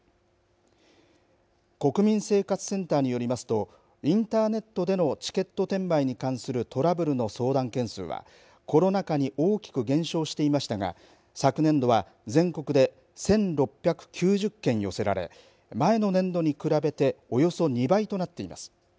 国民生活センターによりますとインターネットでのチケット転売に関するトラブルの相談件数はコロナ禍に大きく減少していましたが昨年度は全国で１６９０件寄せられ前の年度に比べておよそ２倍となっています。